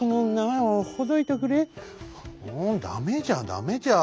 「ダメじゃダメじゃ。